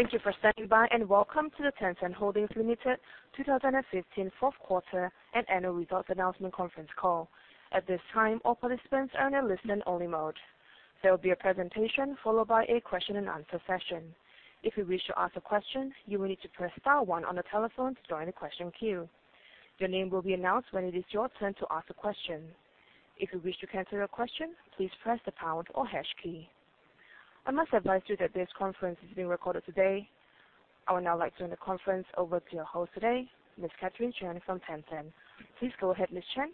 Thank you for standing by, and welcome to the Tencent Holdings Limited 2015 fourth quarter and annual results announcement conference call. At this time, all participants are in a listen-only mode. There will be a presentation followed by a question-and-answer session. If you wish to ask a question, you will need to press star one on the telephone to join the question queue. Your name will be announced when it is your turn to ask a question. If you wish to cancel your question, please press the pound or hash key. I must advise you that this conference is being recorded today. I would now like to turn the conference over to your host today, Ms. Catherine Chan from Tencent. Please go ahead, Ms. Chan.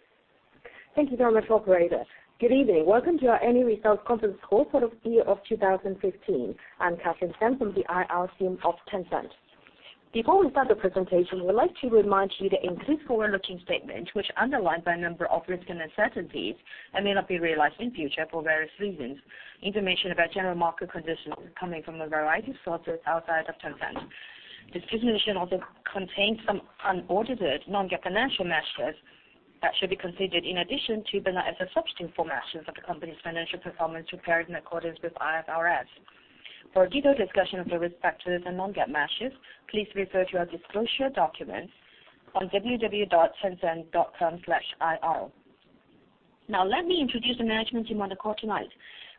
Thank you very much, operator. Good evening. Welcome to our annual results conference call for the year of 2015. I'm Catherine Chan from the IR team of Tencent. Before we start the presentation, we would like to remind you that it includes forward-looking statements which underlie a number of risks and uncertainties and may not be realized in future for various reasons. Information about general market conditions is coming from a variety of sources outside of Tencent. This presentation also contains some unaudited non-GAAP financial measures that should be considered in addition to, but not as a substitute for, measures of the company's financial performance prepared in accordance with IFRS. For a detailed discussion of the risk factors and non-GAAP measures, please refer to our disclosure documents on www.tencent.com/ir. Let me introduce the management team on the call tonight.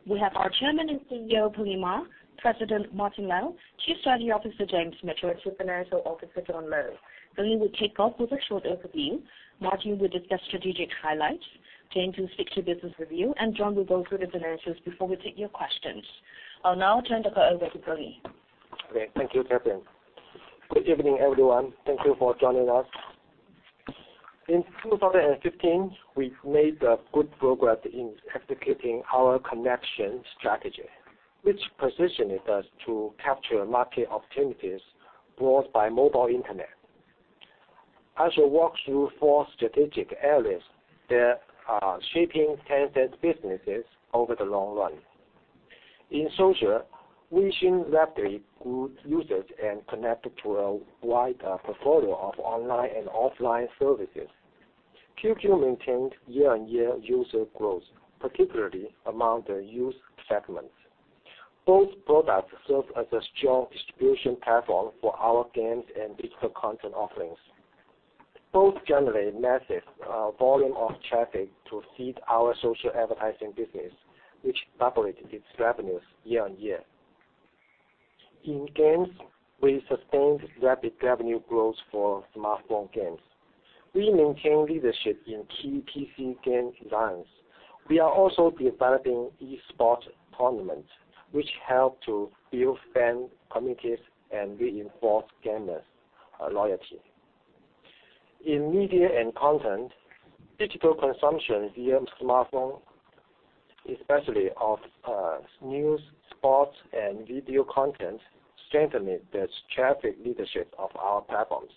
We have our Chairman and CEO, Pony Ma, President Martin Lau, Chief Strategy Officer James Mitchell, and Financial Officer John Lo. Pony will kick off with a short overview. Martin will discuss strategic highlights. James will stick to business review. John will go through the financials before we take your questions. I'll now turn the call over to Pony. Okay. Thank you, Catherine. Good evening, everyone. Thank you for joining us. In 2015, we made good progress in executing our connection strategy, which positioned us to capture market opportunities brought by mobile Internet. I shall walk through four strategic areas that are shaping Tencent's businesses over the long run. In social, we've seen rapid growth users and connected to a wide portfolio of online and offline services. QQ maintained year-on-year user growth, particularly among the youth segments. Both products serve as a strong distribution platform for our games and digital content offerings. Both generate massive volume of traffic to feed our social advertising business, which doubled its revenues year-on-year. In games, we sustained rapid revenue growth for smartphone games. We maintain leadership in key PC game designs. We are also developing esports tournaments, which help to build fan communities and reinforce gamers' loyalty. In media and content, digital consumption via smartphone, especially of news, sports, and video content, strengthened the traffic leadership of our platforms.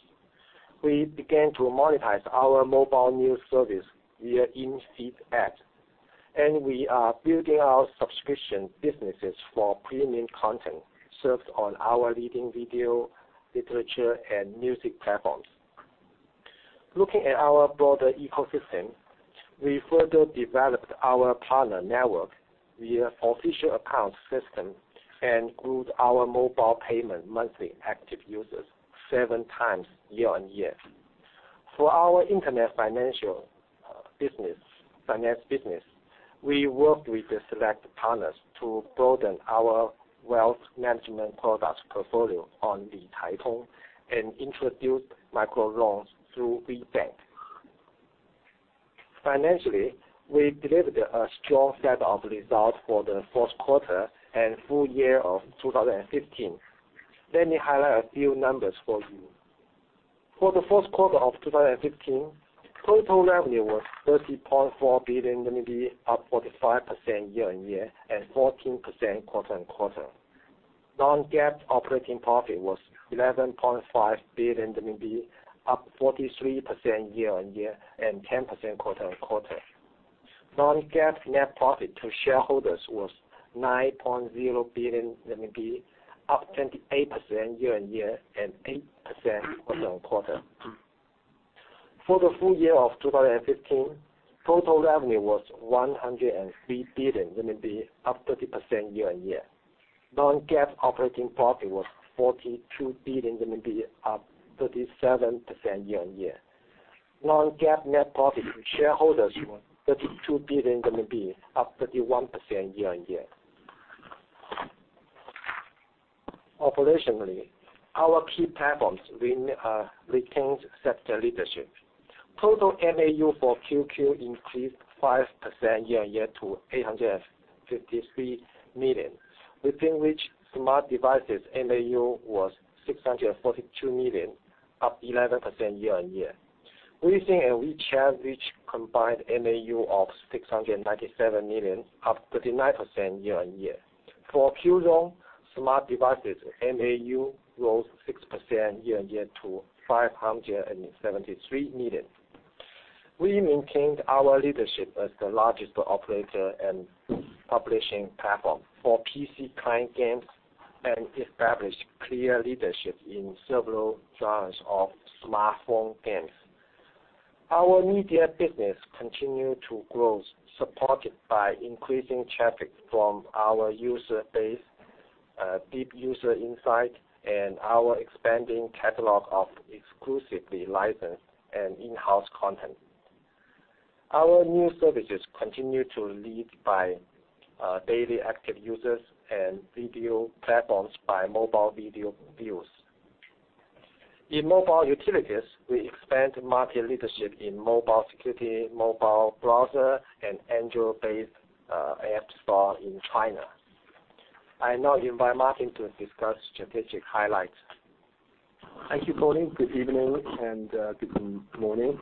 We began to monetize our mobile news service via in-feed ads, and we are building our subscription businesses for premium content served on our leading video, literature, and music platforms. Looking at our broader ecosystem, we further developed our partner network via official accounts system and grew our mobile payment monthly active users seven times year-on-year. For our Internet finance business, we worked with select partners to broaden our wealth management product portfolio on Licaitong and introduced micro loans through WeBank. Financially, we delivered a strong set of results for the fourth quarter and full year of 2015. Let me highlight a few numbers for you. For the fourth quarter of 2015, total revenue was 30.4 billion, up 45% year-on-year and 14% quarter-on-quarter. Non-GAAP operating profit was 11.5 billion RMB, up 43% year-on-year and 10% quarter-on-quarter. Non-GAAP net profit to shareholders was 9.0 billion RMB, up 28% year-on-year and 8% quarter-on-quarter. For the full year of 2015, total revenue was 103 billion, up 30% year-on-year. Non-GAAP operating profit was 42 billion, up 37% year-on-year. Non-GAAP net profit to shareholders was 32 billion RMB, up 31% year-on-year. Operationally, our key platforms retained sector leadership. Total MAU for QQ increased 5% year-on-year to 853 million, within which smart devices MAU was 642 million, up 11% year-on-year. Weixin and WeChat reached combined MAU of 697 million, up 39% year-on-year. For Qzone, smart devices MAU rose 6% year-on-year to 573 million. We maintained our leadership as the largest operator and publishing platform for PC client games and established clear leadership in several genres of smartphone games. Our media business continued to grow, supported by increasing traffic from our user base, deep user insight, and our expanding catalog of exclusively licensed and in-house content. Our new services continue to lead by daily active users and video platforms by mobile video views. In mobile utilities, we expand market leadership in mobile security, mobile browser, and Android-based app store in China. I now invite Martin to discuss strategic highlights. Thank you, Pony. Good evening and good morning.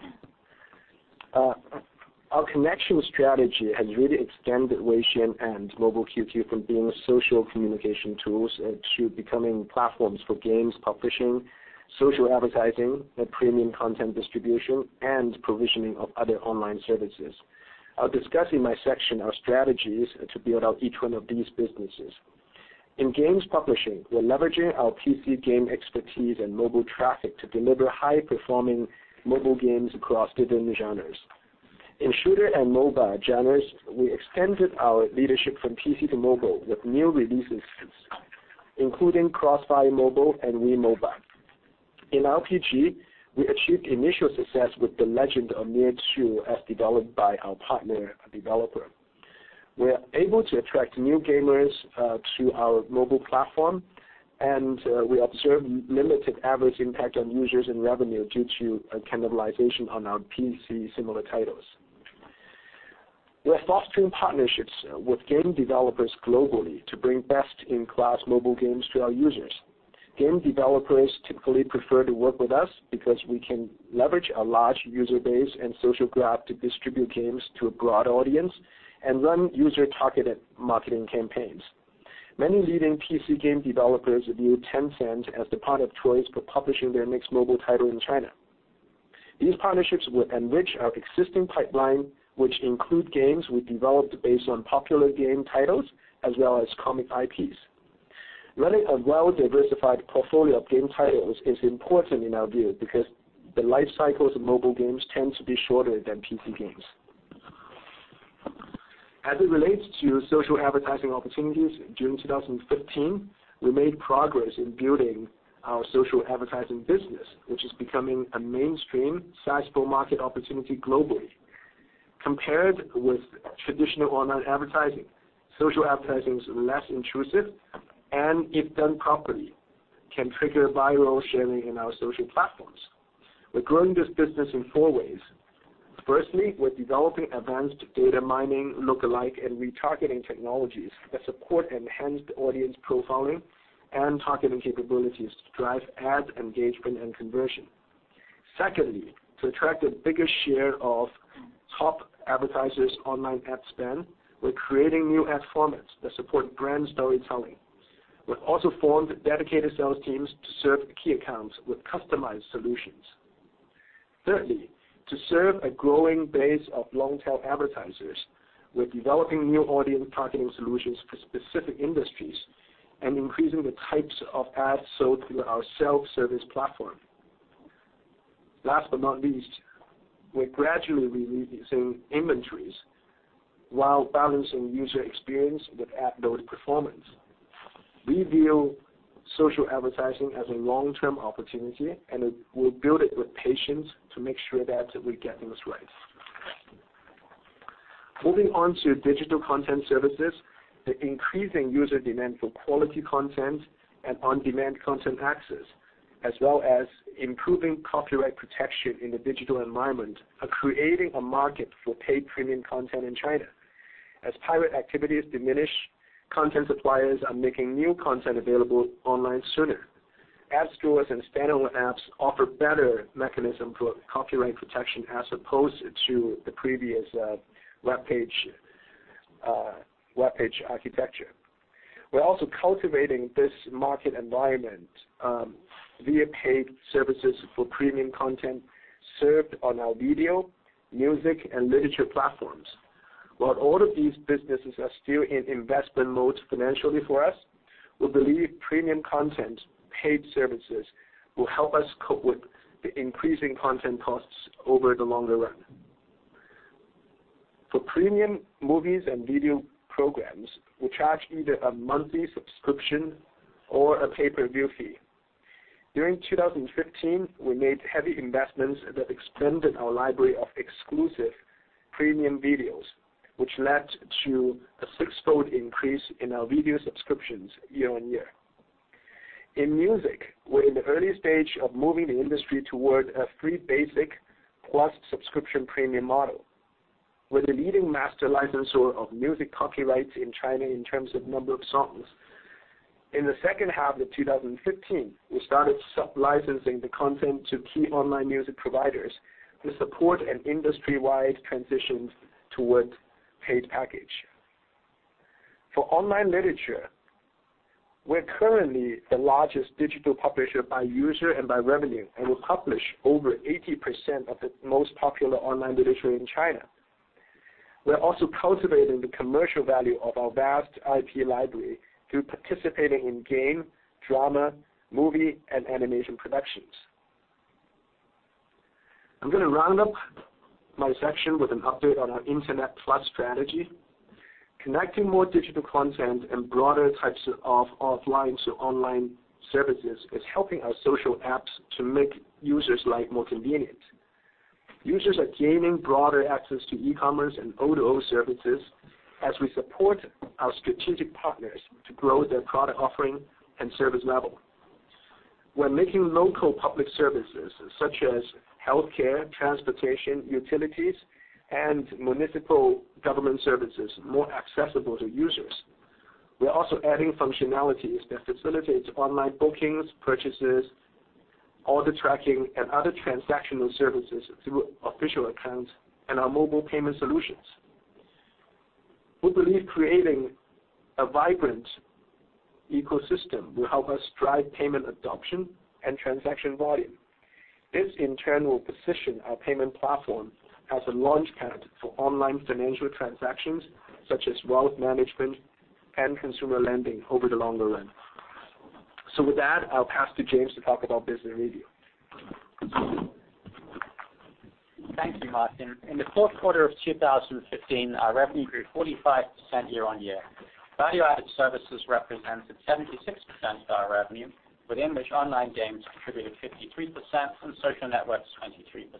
Our connection strategy has really extended WeChat and Mobile QQ from being social communication tools to becoming platforms for games publishing, social advertising, and premium content distribution, and provisioning of other online services. I'll discuss in my section our strategies to build out each one of these businesses. In games publishing, we're leveraging our PC game expertise and mobile traffic to deliver high-performing mobile games across different genres. In shooter and mobile genres, we extended our leadership from PC to mobile with new releases, including CrossFire Mobile and We MOBA. In RPG, we achieved initial success with The Legend of Mir 2, as developed by our partner developer. We're able to attract new gamers to our mobile platform, and we observe limited average impact on users and revenue due to cannibalization on our PC similar titles. We are fostering partnerships with game developers globally to bring best-in-class mobile games to our users. Game developers typically prefer to work with us because we can leverage a large user base and social graph to distribute games to a broad audience and run user-targeted marketing campaigns. Many leading PC game developers view Tencent as the partner of choice for publishing their next mobile title in China. These partnerships will enrich our existing pipeline, which include games we developed based on popular game titles, as well as comic IPs. Running a well-diversified portfolio of game titles is important in our view because the life cycles of mobile games tend to be shorter than PC games. As it relates to social advertising opportunities, during 2015, we made progress in building our social advertising business, which is becoming a mainstream, sizable market opportunity globally. Compared with traditional online advertising, social advertising is less intrusive and, if done properly, can trigger viral sharing in our social platforms. We're growing this business in four ways. Firstly, we're developing advanced data mining, lookalike, and retargeting technologies that support enhanced audience profiling and targeting capabilities to drive ads, engagement, and conversion. Secondly, to attract a bigger share of top advertisers' online ad spend, we're creating new ad formats that support brand storytelling. We've also formed dedicated sales teams to serve key accounts with customized solutions. Thirdly, to serve a growing base of long-tail advertisers, we're developing new audience targeting solutions for specific industries and increasing the types of ads sold through our self-service platform. Last but not least, we're gradually releasing inventories while balancing user experience with ad load performance. We view social advertising as a long-term opportunity, and we'll build it with patience to make sure that we're getting this right. Moving on to digital content services, the increasing user demand for quality content and on-demand content access, as well as improving copyright protection in the digital environment, are creating a market for paid premium content in China. As pirate activities diminish, content suppliers are making new content available online sooner. App stores and standalone apps offer better mechanism for copyright protection as opposed to the previous web page architecture. We're also cultivating this market environment via paid services for premium content served on our video, music, and literature platforms. While all of these businesses are still in investment mode financially for us, we believe premium content paid services will help us cope with the increasing content costs over the longer run. For premium movies and video programs, we charge either a monthly subscription or a pay-per-view fee. During 2015, we made heavy investments that expanded our library of exclusive premium videos, which led to a six-fold increase in our video subscriptions year-on-year. In music, we're in the early stage of moving the industry toward a free basic plus subscription premium model. We're the leading master licensor of music copyrights in China in terms of number of songs. In the second half of 2015, we started sublicensing the content to key online music providers to support an industry-wide transition towards paid package. For online literature, we're currently the largest digital publisher by user and by revenue, and we publish over 80% of the most popular online literature in China. We are also cultivating the commercial value of our vast IP library through participating in game, drama, movie, and animation productions. I'm going to round up my section with an update on our Internet Plus strategy. Connecting more digital content and broader types of offline to online services is helping our social apps to make users' life more convenient. Users are gaining broader access to e-commerce and O2O services as we support our strategic partners to grow their product offering and service level. We're making local public services such as healthcare, transportation, utilities, and municipal government services more accessible to users. We are also adding functionalities that facilitate online bookings, purchases, order tracking, and other transactional services through official accounts and our mobile payment solutions. We believe creating a vibrant ecosystem will help us drive payment adoption and transaction volume. This in turn will position our payment platform as a launchpad for online financial transactions such as wealth management and consumer lending over the longer run. With that, I'll pass to James to talk about business review. Thank you, Martin. In the fourth quarter of 2015, our revenue grew 45% year-on-year. Value-added services represented 76% of our revenue, within which online games contributed 53% and social networks 23%.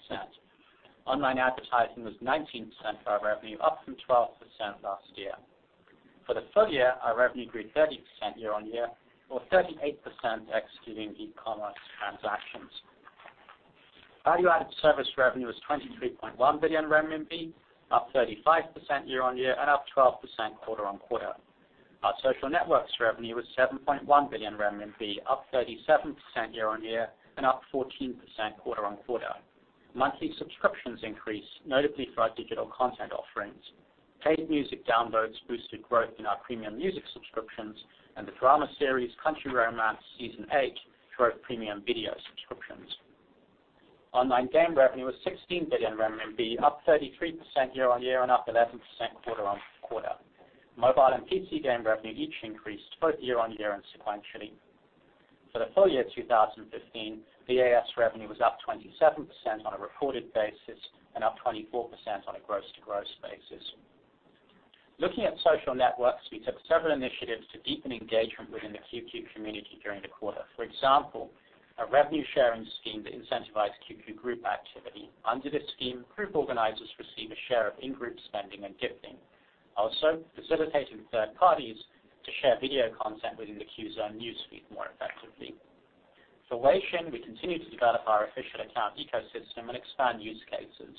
Online advertising was 19% of our revenue, up from 12% last year. For the full year, our revenue grew 30% year-on-year, or 38% excluding e-commerce transactions. Value-added service revenue was 23.1 billion RMB, up 35% year-on-year and up 12% quarter-on-quarter. Our social networks revenue was 7.1 billion RMB, up 37% year-on-year and up 14% quarter-on-quarter. Monthly subscriptions increased, notably through our digital content offerings. Paid music downloads boosted growth in our premium music subscriptions and the drama series, "Country Romance," Season 8, drove premium video subscriptions. Online game revenue was 16 billion RMB, up 33% year-on-year and up 11% quarter-on-quarter. Mobile and PC game revenue each increased both year-on-year and sequentially. For the full year 2015, VAS revenue was up 27% on a reported basis and up 24% on a gross-to-gross basis. Looking at social networks, we took several initiatives to deepen engagement within the QQ community during the quarter. For example, a revenue-sharing scheme that incentivized QQ group activity. Under this scheme, group organizers receive a share of in-group spending and gifting. Also, facilitating third parties to share video content within the Qzone newsfeed more effectively. For Weixin, we continue to develop our official account ecosystem and expand use cases.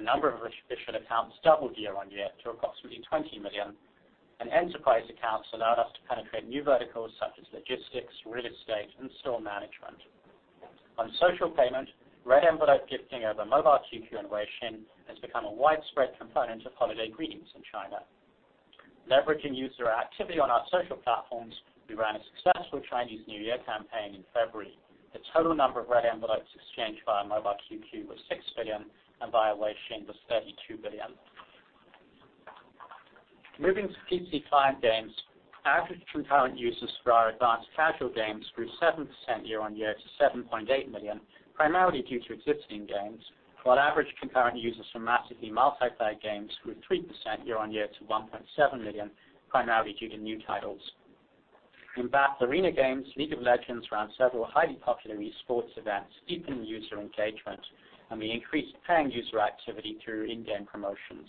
The number of official accounts doubled year-on-year to approximately 20 million, and enterprise accounts allowed us to penetrate new verticals such as logistics, real estate, and store management. On social payment, red envelope gifting over mobile QQ and Weixin has become a widespread component of holiday greetings in China. Leveraging user activity on our social platforms, we ran a successful Chinese New Year campaign in February. The total number of red envelopes exchanged via mobile QQ was 6 billion and via Weixin was 32 billion. Moving to PC client games, average concurrent users for our advanced casual games grew 7% year-on-year to 7.8 million, primarily due to existing games. While average concurrent users for massively multiplayer games grew 3% year-on-year to 1.7 million, primarily due to new titles. In battle arena games, "League of Legends" ran several highly popular eSports events, deepening user engagement, and we increased paying user activity through in-game promotions.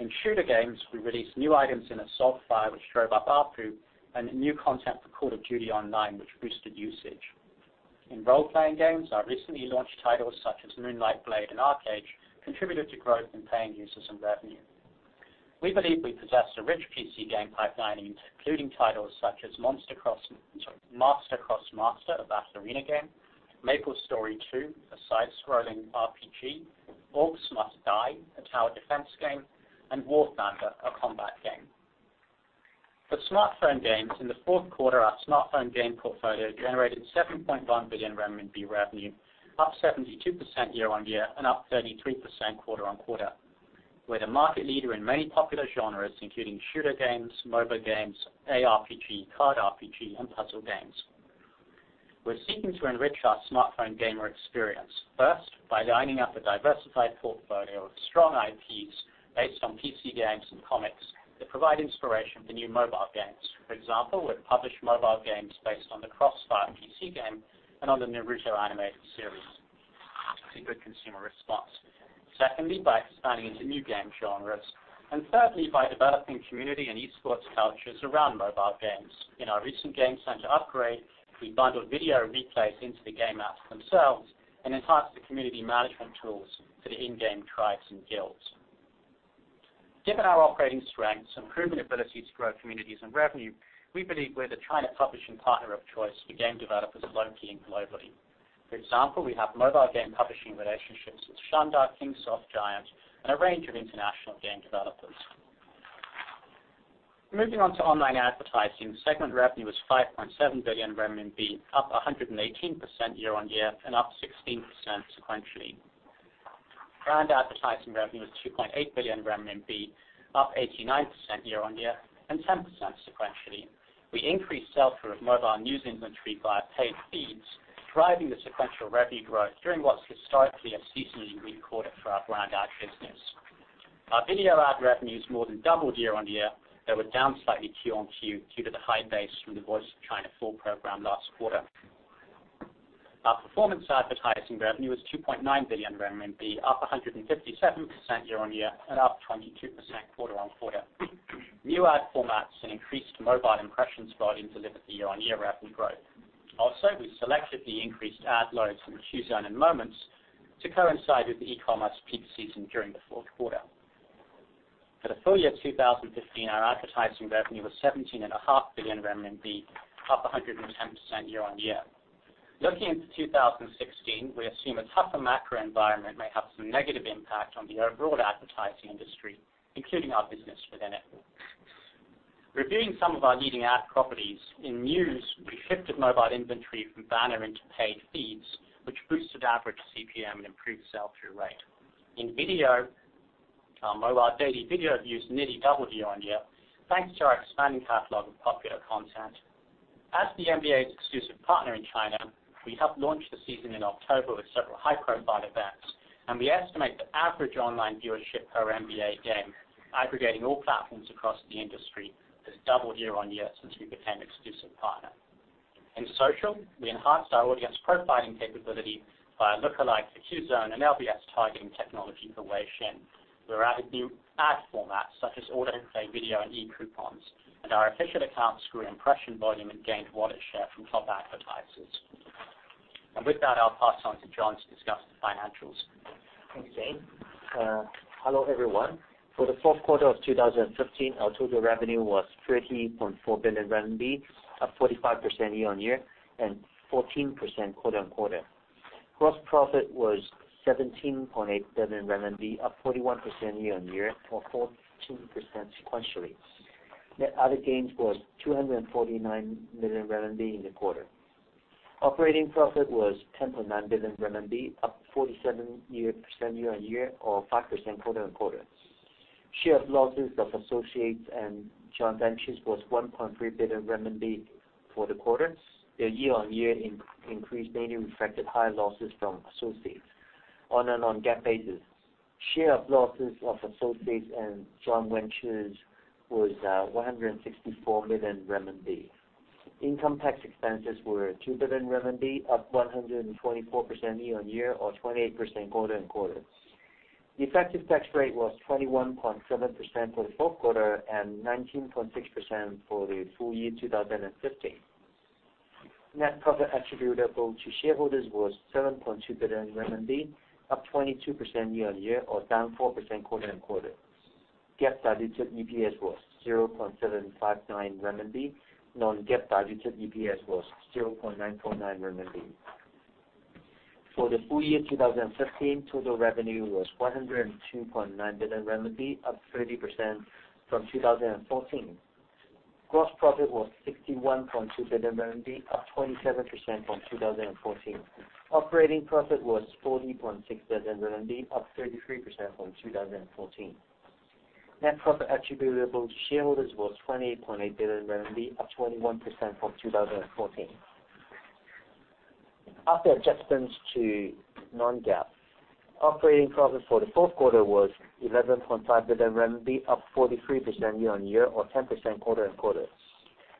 In shooter games, we released new items in "Assault Fire," which drove up ARPU, and new content for "Call of Duty Online," which boosted usage. In role-playing games, our recently launched titles such as "Moonlight Blade" and "ArcheAge" contributed to growth in paying users and revenue. We believe we possess a rich PC game pipeline, including titles such as "Master X Master," a battle arena game; "MapleStory 2," a side-scrolling RPG; "Orcs Must Die!," a tower defense game; and "War Thunder," a combat game. For smartphone games, in the fourth quarter, our smartphone game portfolio generated 7.1 billion renminbi revenue, up 72% year-on-year and up 33% quarter-on-quarter. We're the market leader in many popular genres, including shooter games, mobile games, ARPG, card RPG, and puzzle games. We're seeking to enrich our smartphone gamer experience, first, by lining up a diversified portfolio of strong IPs based on PC games and comics that provide inspiration for new mobile games. For example, we have published mobile games based on the "CrossFire" PC game and on the "Naruto" animated series, to good consumer response. Secondly, by expanding into new game genres, and thirdly, by developing community and eSports cultures around mobile games. In our recent Game Center upgrade, we bundled video replays into the game apps themselves and enhanced the community management tools for the in-game tribes and guilds. Given our operating strengths and proven ability to grow communities and revenue, we believe we're the China publishing partner of choice for game developers locally and globally. For example, we have mobile game publishing relationships with Shanda, Kingsoft, Giant, and a range of international game developers. Moving on to online advertising, segment revenue was CNY 5.7 billion, up 118% year-on-year and up 16% sequentially. Brand advertising revenue was 2.8 billion RMB, up 89% year-on-year and 10% sequentially. We increased sell-through of mobile news inventory via paid feeds, driving the sequential revenue growth during what's historically a seasonally weak quarter for our brand ad business. Our video ad revenues more than doubled year-on-year. They were down slightly Q on Q due to the high base from "The Voice of China" fall program last quarter. Our performance advertising revenue was 2.9 billion RMB, up 157% year-on-year and up 22% quarter-on-quarter. New ad formats and increased mobile impressions volume delivered the year-on-year revenue growth. Also, we selectively increased ad loads in the Qzone and Moments to coincide with the eCommerce peak season during the fourth quarter. For the full year 2015, our advertising revenue was 17.5 billion renminbi, up 110% year-on-year. Looking into 2016, we assume a tougher macro environment may have some negative impact on the overall advertising industry, including our business within it. Reviewing some of our leading ad properties, in news, we shifted mobile inventory from banner into paid feeds, which boosted average CPM and improved sell-through rate. In video, our mobile daily video views nearly doubled year-on-year, thanks to our expanding catalog of popular content. As the NBA's exclusive partner in China, we helped launch the season in October with several high-profile events. We estimate the average online viewership per NBA game, aggregating all platforms across the industry, has doubled year-on-year since we became exclusive partner. In social, we enhanced our audience profiling capability via lookalike, the Qzone, and LBS targeting technology from Weixin. Our official accounts grew impression volume and gained wallet share from top advertisers. With that, I'll pass on to John to discuss the financials. Thanks, James. Hello, everyone. For the fourth quarter of 2015, our total revenue was 30.4 billion RMB, up 45% year-on-year and 14% quarter-on-quarter. Gross profit was 17.8 billion RMB, up 41% year-on-year or 14% sequentially. Net other gains was 249 million RMB in the quarter. Operating profit was 10.9 billion RMB, up 47% year-on-year or 5% quarter-on-quarter. Share of losses of associates and joint ventures was 1.3 billion renminbi for the quarter. The year-on-year increase mainly reflected higher losses from associates. On a non-GAAP basis, share of losses of associates and joint ventures was 164 million renminbi. Income tax expenses were 2 billion renminbi, up 124% year-on-year or 28% quarter-on-quarter. The effective tax rate was 21.7% for the fourth quarter and 19.6% for the full year 2015. Net profit attributable to shareholders was 7.2 billion RMB, up 22% year-on-year or down 4% quarter-on-quarter. GAAP diluted EPS was 0.759 RMB. Non-GAAP diluted EPS was 0.949 RMB. For the full year 2015, total revenue was 102.9 billion RMB, up 30% from 2014. Gross profit was 61.2 billion RMB, up 27% from 2014. Operating profit was 40.6 billion RMB, up 33% from 2014. Net profit attributable to shareholders was 28.8 billion RMB, up 21% from 2014. After adjustments to non-GAAP, operating profit for the fourth quarter was 11.5 billion RMB, up 43% year-on-year or 10% quarter-on-quarter.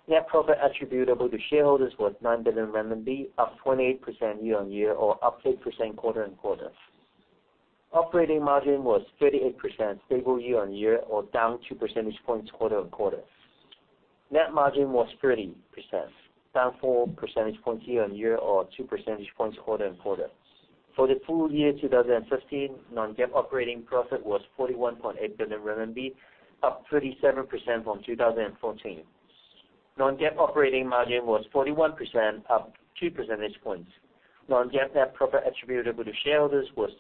Net profit attributable to shareholders was 9 billion renminbi, up 28% year-on-year or up 8% quarter-on-quarter. Operating margin was 38%, stable year-on-year or down two percentage points quarter-on-quarter. Net margin was 30%, down four percentage points year-on-year or two percentage points quarter-on-quarter. For the full year 2015, non-GAAP operating profit was 41.8 billion RMB, up 37% from 2014. Non-GAAP operating margin was 41%, up two percentage points. Non-GAAP net profit attributable to shareholders was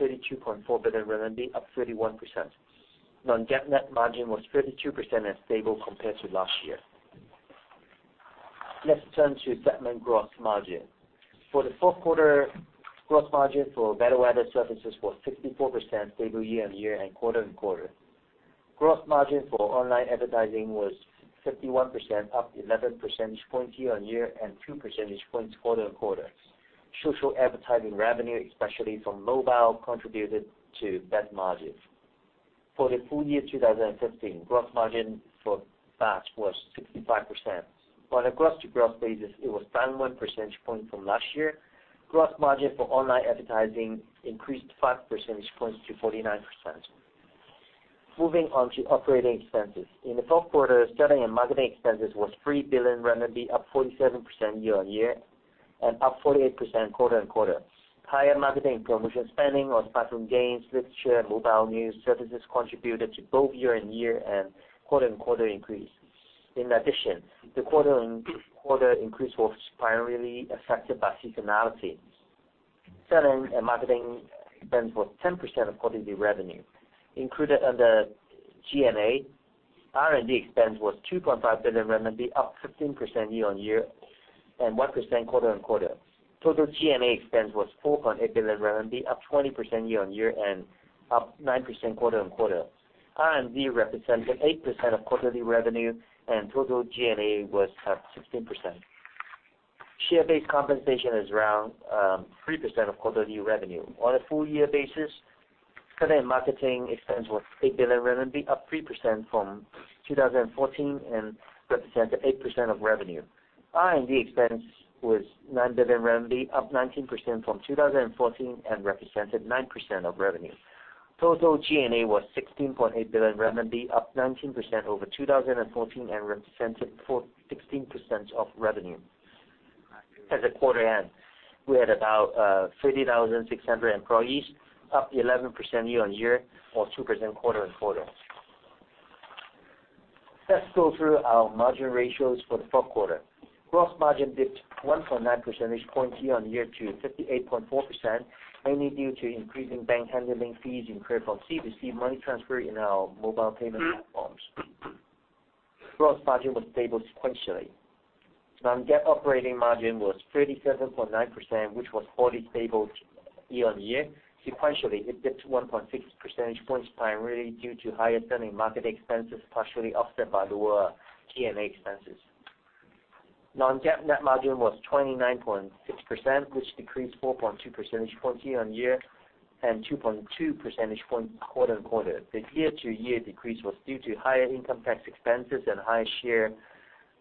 32.4 billion RMB, up 31%. Non-GAAP net margin was 32% and stable compared to last year. Let's turn to segment gross margin. For the fourth quarter, gross margin for value-added services was 64%, stable year-on-year and quarter-on-quarter. Gross margin for online advertising was 51%, up 11 percentage points year-on-year and two percentage points quarter-on-quarter. Social advertising revenue, especially from mobile, contributed to that margin. For the full year 2015, gross margin for VAS was 65%. On a gross-to-gross basis, it was down one percentage point from last year. Gross margin for online advertising increased five percentage points to 49%. Moving on to operating expenses. In the fourth quarter, selling and marketing expenses was 3 billion, up 47% year-on-year and up 48% quarter-on-quarter. Higher marketing and promotion spending on platform games, literature, mobile news services contributed to both year-on-year and quarter-on-quarter increase. The quarter-on-quarter increase was primarily affected by seasonality. Selling and marketing expense was 10% of quarterly revenue. Included under G&A, R&D expense was CNY 2.5 billion, up 15% year-on-year, 1% quarter-on-quarter. Total G&A expense was 4.8 billion RMB, up 20% year-on-year up 9% quarter-on-quarter. R&D represented 8% of quarterly revenue. Total G&A was up 16%. Share-based compensation is around 3% of quarterly revenue. On a full year basis, selling and marketing expense was CNY 8 billion, up 3% from 2014 represented 8% of revenue. R&D expense was CNY 9 billion, up 19% from 2014 represented 9% of revenue. Total G&A was 16.8 billion, up 19% over 2014 represented 16% of revenue. As of quarter end, we had about 30,600 employees, up 11% year-on-year or 2% quarter-on-quarter. Let's go through our margin ratios for the fourth quarter. Gross margin dipped 1.9 percentage points year-on-year to 58.4%, mainly due to increasing bank handling fees in C2C money transfer in our mobile payment platforms. Gross margin was stable sequentially. Non-GAAP operating margin was 37.9%, which was hardly stable year-on-year. Sequentially, it dipped 1.6 percentage points primarily due to higher selling and marketing expenses, partially offset by lower G&A expenses. Non-GAAP net margin was 29.6%, which decreased 4.2 percentage points year-on-year 2.2 percentage points quarter-on-quarter. The year-to-year decrease was due to higher income tax expenses and higher share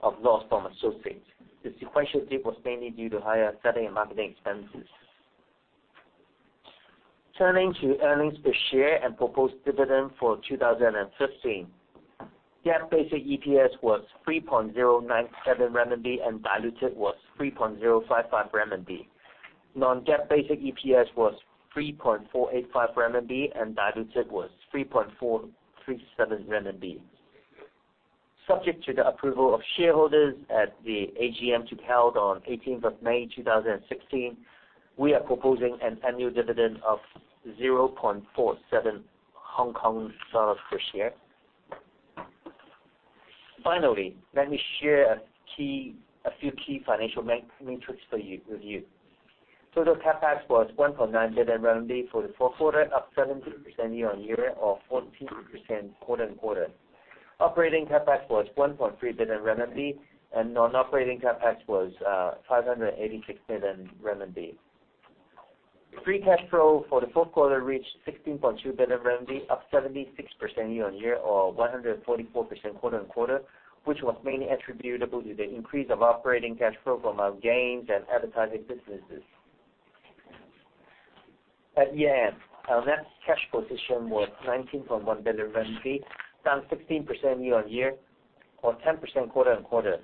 of loss from associates. The sequential dip was mainly due to higher selling and marketing expenses. Turning to earnings per share and proposed dividend for 2015. GAAP basic EPS was 3.097 RMB diluted was 3.055 RMB. Non-GAAP basic EPS was 3.485 RMB diluted was 3.437 RMB. Subject to the approval of shareholders at the AGM to be held on 18th of May 2016, we are proposing an annual dividend of 0.47 Hong Kong dollars per share. Finally, let me share a few key financial metrics with you. Total CapEx was 1.9 billion for the fourth quarter, up 17% year-on-year or 14% quarter-on-quarter. Operating CapEx was 1.3 billion renminbi Non-operating CapEx was 586 million renminbi. Free cash flow for the fourth quarter reached 16.2 billion renminbi, up 76% year-on-year or 144% quarter-on-quarter, which was mainly attributable to the increase of operating cash flow from our games and advertising businesses. At year end, our net cash position was 19.1 billion, down 16% year-on-year or 10% quarter-on-quarter.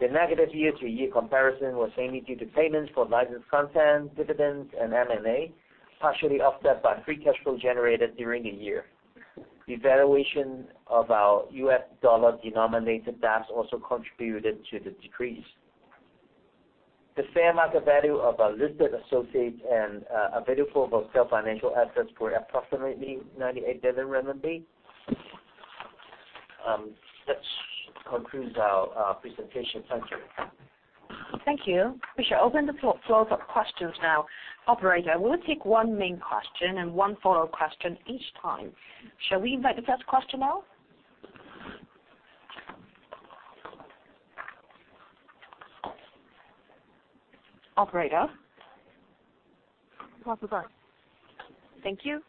The negative year-to-year comparison was mainly due to payments for licensed content, dividends, and M&A, partially offset by free cash flow generated during the year. The valuation of our US dollar denominated debts also contributed to the decrease. The fair market value of our listed associates and available-for-sale financial assets were approximately 98 billion renminbi. That concludes our presentation. Thank you. Thank you. We shall open the floor for questions now. Operator, we will take one main question and one follow-up question each time. Shall we invite the first question now? Operator? Operator. Thank you.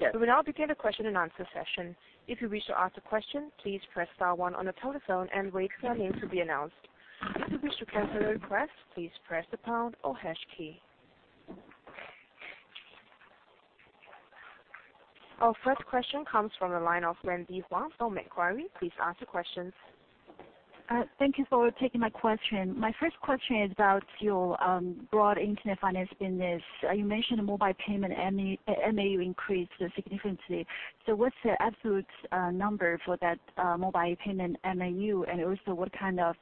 Yes. We will now begin the question-and-answer session. If you wish to ask a question, please press star one on the telephone and wait for your name to be announced. If you wish to cancel your request, please press the pound or hash key. Our first question comes from the line of Wendy Huang from Macquarie. Please ask your question. Thank you for taking my question. My first question is about your broad internet finance business. You mentioned mobile payment MAU increased significantly. What's the absolute number for that mobile payment MAU, and also what kind of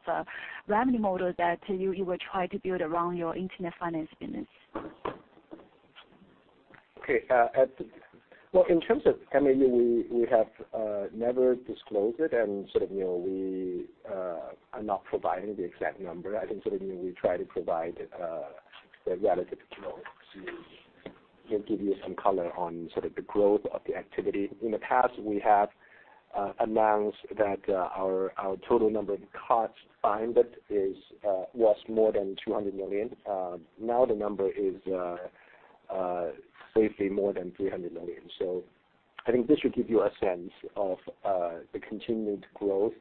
revenue model that you will try to build around your internet finance business? Okay. Well, in terms of MAU, we have never disclosed it and we are not providing the exact number. I think we try to provide the relative growth to give you some color on the growth of the activity. In the past, we have announced that our total number of cards bind was more than 200 million. Now the number is safely more than 300 million. I think this should give you a sense of the continued growth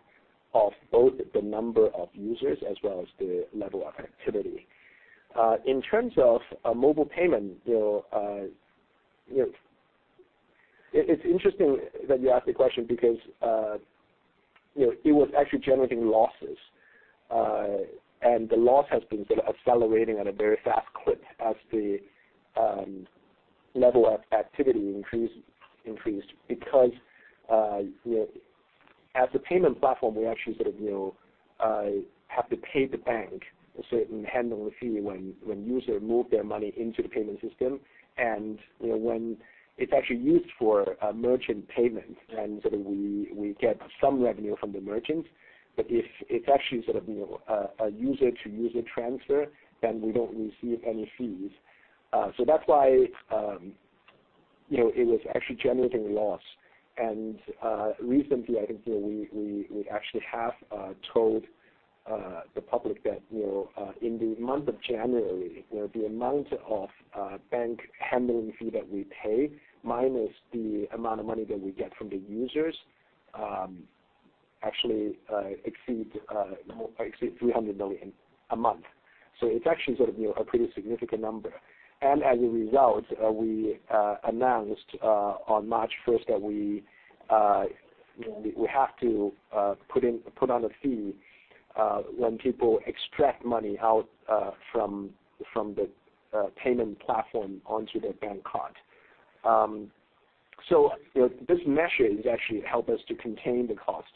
of both the number of users as well as the level of activity. In terms of mobile payment, it's interesting that you ask the question because it was actually generating losses, and the loss has been accelerating at a very fast clip as the level of activity increased because As the payment platform, we actually have to pay the bank a certain handling fee when users move their money into the payment system. When it's actually used for a merchant payment, we get some revenue from the merchants. If it's actually a user-to-user transfer, then we don't receive any fees. That's why it was actually generating a loss. Recently, I think we actually have told the public that in the month of January, the amount of bank handling fee that we pay minus the amount of money that we get from the users actually exceeds 300 million a month. It's actually a pretty significant number. As a result, we announced on March 1st that we have to put on a fee when people extract money out from the payment platform onto their bank card. This measure has actually helped us to contain the cost.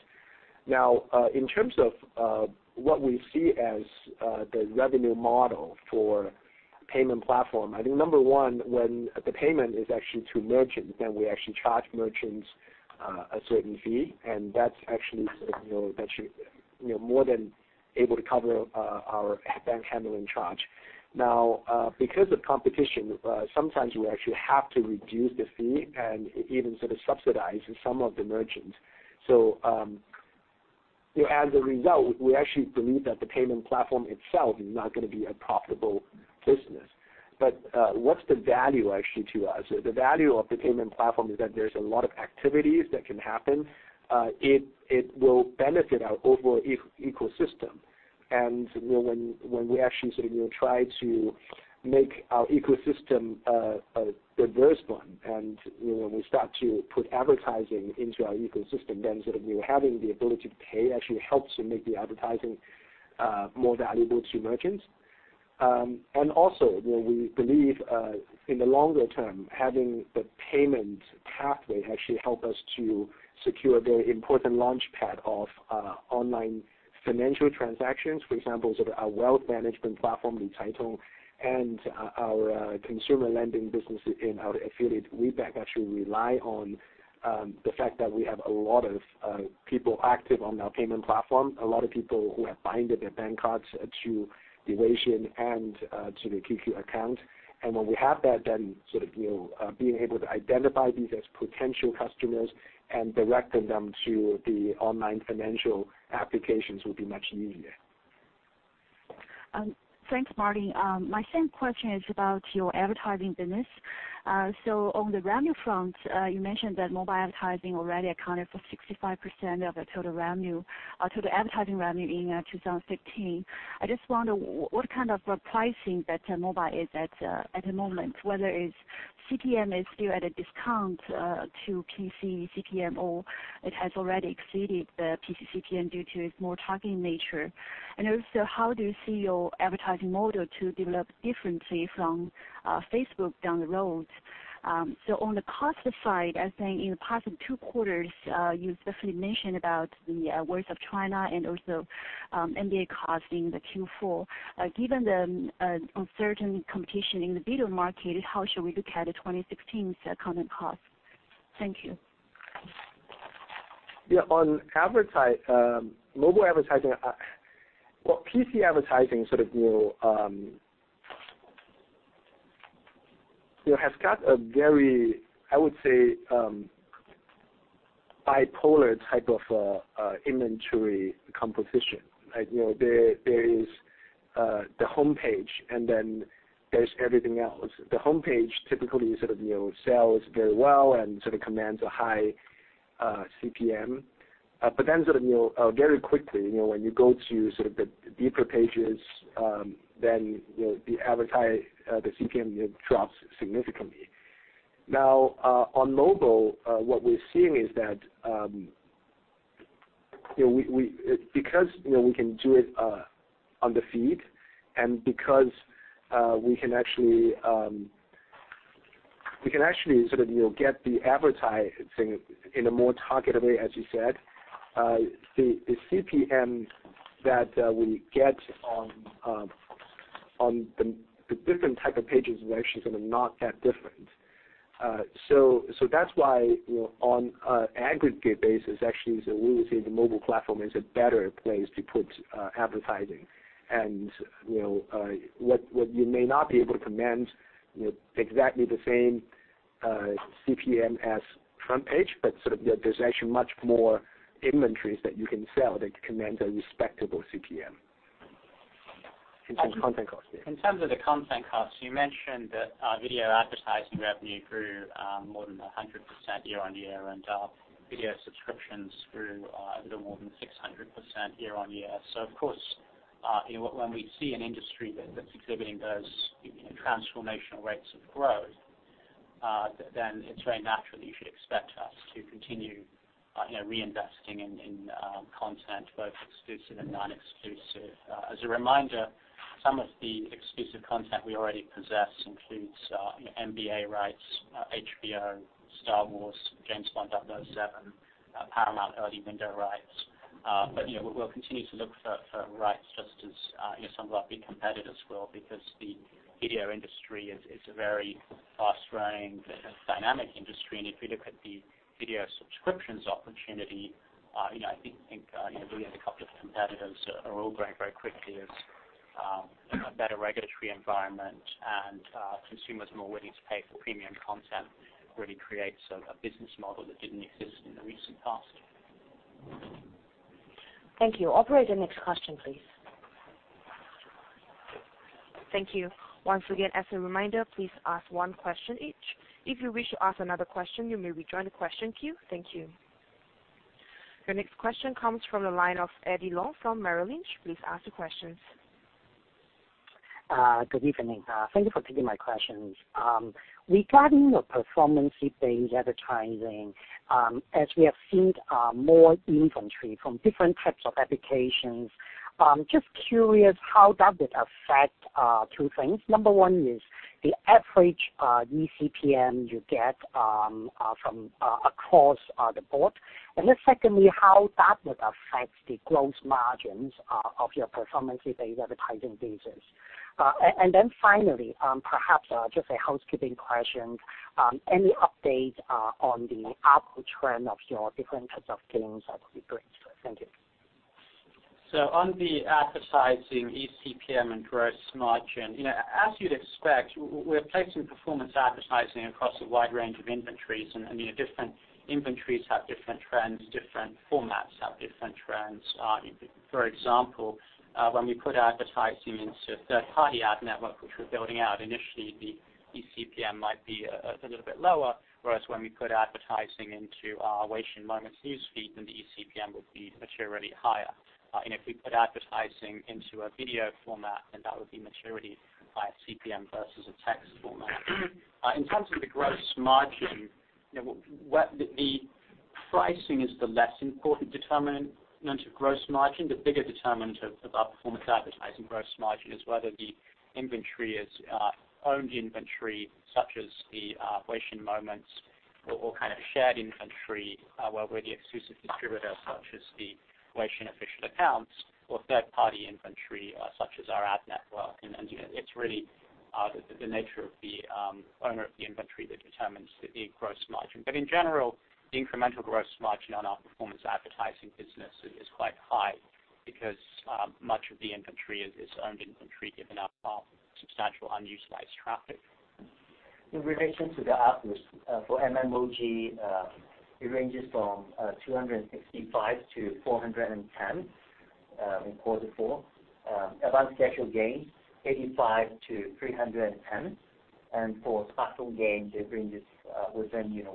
Now, in terms of what we see as the revenue model for the payment platform, I think number 1, when the payment is actually to merchants, then we actually charge merchants a certain fee, and that's actually more than able to cover our bank handling charge. Now, because of competition, sometimes we actually have to reduce the fee and even subsidize some of the merchants. As a result, we actually believe that the payment platform itself is not going to be a profitable business. What's the value actually to us? The value of the payment platform is that there's a lot of activities that can happen. It will benefit our overall ecosystem. When we actually try to make our ecosystem a diverse one, and we start to put advertising into our ecosystem, then having the ability to pay actually helps to make the advertising more valuable to merchants. Also, we believe, in the longer term, having the payment pathway actually help us to secure a very important launch pad of online financial transactions. For example, our wealth management platform, Licaitong, and our consumer lending business in our affiliate WeBank, actually rely on the fact that we have a lot of people active on our payment platform, a lot of people who have binded their bank cards to the Weixin and to the QQ account. When we have that, then being able to identify these as potential customers and directing them to the online financial applications will be much easier. Thanks, Martin. My second question is about your advertising business. On the revenue front, you mentioned that mobile advertising already accounted for 65% of the total advertising revenue in 2015. I just wonder what kind of pricing that mobile is at the moment, whether its CPM is still at a discount to PC CPM, or it has already exceeded the PC CPM due to its more targeted nature. How do you see your advertising model to develop differently from Facebook down the road? On the cost side, I think in the past 2 quarters, you specifically mentioned about the Esports World Cup and also NBA costing the Q4. Given the uncertain competition in the video market, how should we look at the 2016 second cost? Thank you. On mobile advertising, PC advertising has got a very, I would say, bipolar type of inventory composition. There is the homepage and then there's everything else. The homepage typically sells very well and commands a high CPM. Very quickly, when you go to the deeper pages, the CPM drops significantly. On mobile, what we're seeing is that because we can do it on the feed and because we can actually get the advertising in a more targeted way, as you said, the CPM that we get on the different type of pages are actually not that different. That's why on an aggregate basis, actually, we would say the mobile platform is a better place to put advertising. What you may not be able to command exactly the same CPM as the front page, but there's actually much more inventories that you can sell that command a respectable CPM. In terms of content cost. In terms of the content costs, you mentioned that video advertising revenue grew more than 100% year-on-year, and video subscriptions grew a little more than 600% year-on-year. When we see an industry that's exhibiting those transformational rates of growth, it's very natural you should expect us to continue reinvesting in content, both exclusive and non-exclusive. As a reminder, some of the exclusive content we already possess includes NBA rights, HBO, "Star Wars," "James Bond 007," Paramount early window rights. We'll continue to look for rights just as some of our big competitors will, because the video industry is a very fast-growing, dynamic industry. If you look at the video subscriptions opportunity, I think we and a couple of competitors are all growing very quickly as a better regulatory environment and consumers more willing to pay for premium content really creates a business model that didn't exist in the recent past. Thank you. Operator, next question, please. Thank you. Once again, as a reminder, please ask one question each. If you wish to ask another question, you may rejoin the question queue. Thank you. Your next question comes from the line of Eddie Leung from Merrill Lynch. Please ask your questions. Good evening. Thank you for taking my questions. Regarding the performance-based advertising, as we have seen more inventory from different types of applications, just curious, how does it affect two things? Number one is the average eCPM you get from across the board. Secondly, how that would affect the gross margins of your performance-based advertising business. Finally, perhaps just a housekeeping question. Any update on the uptrend of your different types of games that would be great. Thank you. On the advertising eCPM and gross margin, as you'd expect, we're placing performance advertising across a wide range of inventories. Different inventories have different trends, different formats have different trends. For example, when we put advertising into a third-party ad network, which we're building out initially, the eCPM might be a little bit lower, whereas when we put advertising into our WeChat Moments news feed, the eCPM would be materially higher. If we put advertising into a video format, that would be materially higher CPM versus a text format. In terms of the gross margin, the pricing is the less important determinant of gross margin. The bigger determinant of our performance advertising gross margin is whether the inventory is owned inventory, such as the WeChat Moments, or kind of shared inventory, where we're the exclusive distributor, such as the WeChat official accounts, or third-party inventory, such as our ad network. It's really the nature of the owner of the inventory that determines the gross margin. In general, the incremental gross margin on our performance advertising business is quite high because much of the inventory is owned inventory, given our substantial underutilized traffic. In relation to the output for MMOG, it ranges from 265-410 in quarter 4. Advanced schedule games, 85-310. For casual games, it ranges within 185-195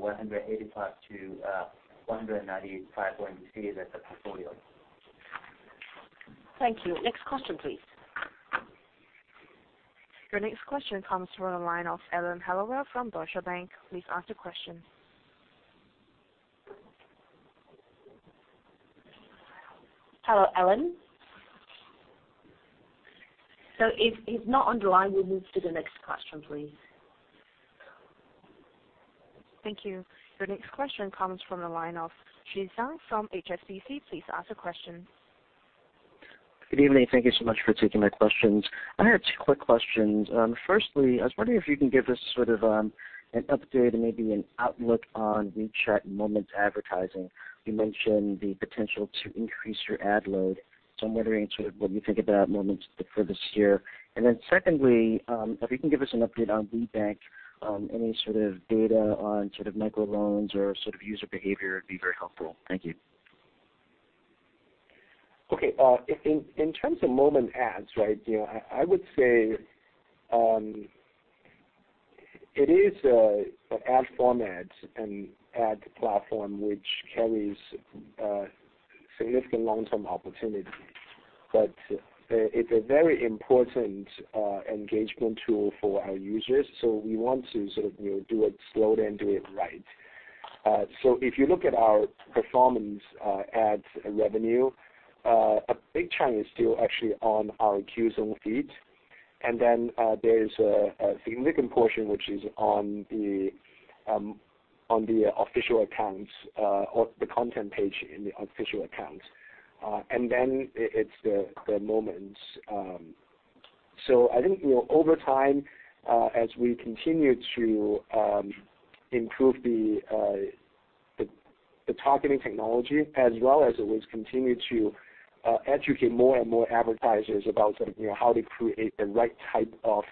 when you see that portfolio. Thank you. Next question, please. Your next question comes from the line of Alan Hellawell from Deutsche Bank. Please ask your question. Hello, Alan? If she's not on the line, we'll move to the next question, please. Thank you. Your next question comes from the line of Jason from HSBC. Please ask your question. Good evening. Thank you so much for taking my questions. I have two quick questions. Firstly, I was wondering if you can give us sort of an update and maybe an outlook on WeChat Moments advertising. You mentioned the potential to increase your ad load, I'm wondering sort of what you think about Moments for this year. Secondly, if you can give us an update on WeBank, any sort of data on sort of microloans or sort of user behavior would be very helpful. Thank you. Okay. In terms of Moments ads, right, I would say it is an ad format, an ad platform which carries significant long-term opportunity. It's a very important engagement tool for our users. We want to sort of do it slowly and do it right. If you look at our performance ads revenue, a big chunk is still actually on our Qzone feed. There's the second portion, which is on the official accounts or the content page in the official accounts. It's the Moments. I think over time, as we continue to improve the targeting technology as well as continue to educate more and more advertisers about sort of how to create the right type of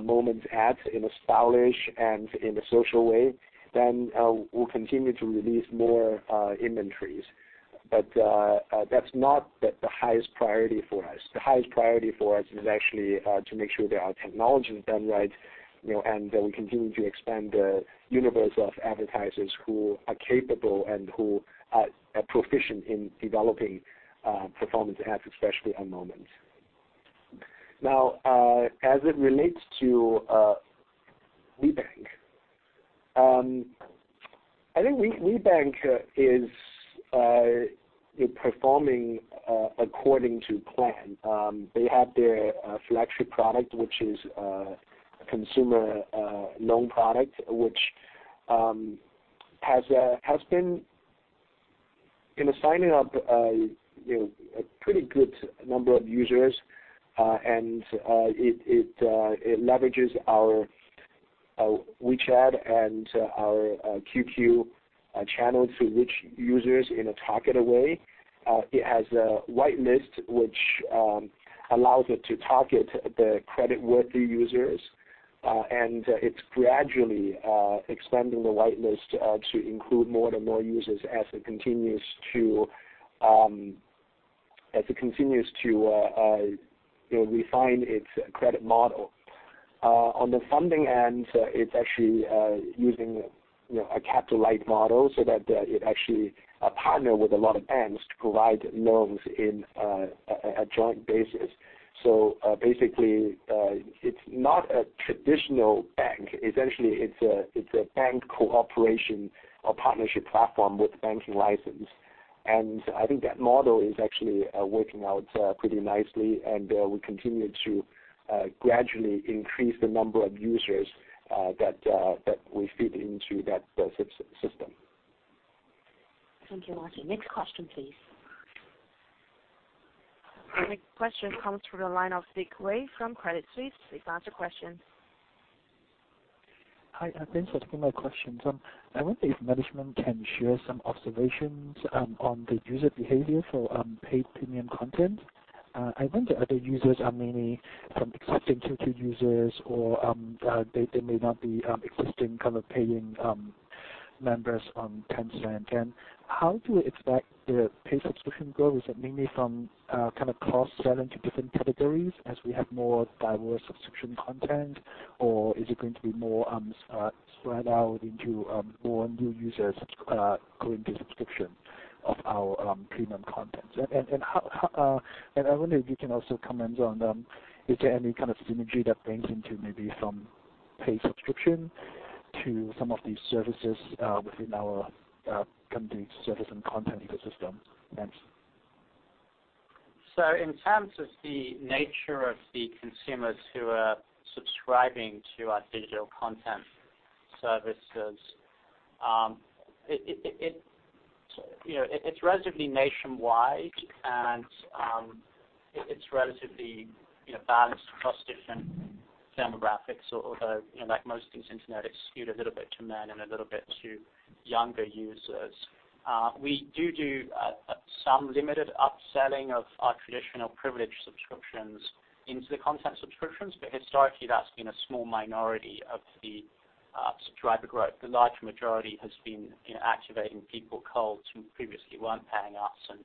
Moments ads in a stylish and in a social way, we'll continue to release more inventories. That's not the highest priority for us. The highest priority for us is actually to make sure that our technology is done right, and that we continue to expand the universe of advertisers who are capable and who are proficient in developing performance ads, especially on Moments. Now, as it relates to WeBank, I think WeBank is performing according to plan. They have their flagship product, which is a consumer loan product, which has been signing up a pretty good number of users, and it leverages our WeChat and our QQ channels to reach users in a targeted way. It has a whitelist which allows it to target the creditworthy users, and it's gradually expanding the whitelist to include more and more users as it continues to refine its credit model. On the funding end, it's actually using a capital-light model so that it actually partners with a lot of banks to provide loans on a joint basis. Basically, it's not a traditional bank. Essentially, it's a bank cooperation or partnership platform with a banking license. I think that model is actually working out pretty nicely, and we continue to gradually increase the number of users that we feed into that system. Thank you, Martin. Next question, please. The next question comes from the line of Dick Wei from Credit Suisse. Please ask your question. Hi. Thanks for taking my question. I wonder if management can share some observations on the user behavior for paid premium content. I think the other users are mainly from existing QQ users, or they may not be existing kind of paying members on Tencent. How do we expect the paid subscription growth? Is that mainly from kind of cross-selling to different categories as we have more diverse subscription content, or is it going to be more spread out into more new users going to subscription of our premium contents? I wonder if you can also comment on, is there any kind of synergy that brings into maybe some paid subscription to some of these services within our company service and content ecosystem? Thanks. In terms of the nature of the consumers who are subscribing to our digital content services, it is relatively nationwide, and it is relatively balanced across different demographics. Although, like most things internet, it is skewed a little bit to men and a little bit to younger users. We do some limited upselling of our traditional privilege subscriptions into the content subscriptions. Historically, that has been a small minority of the subscriber growth. The large majority has been activating people cold who previously weren't paying us and